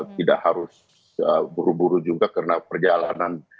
tidak harus buru buru juga karena perjalanan